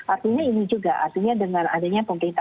artinya ini juga artinya dengan adanya pemerintah